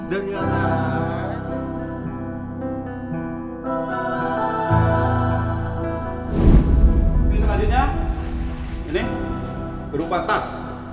ini berupa tas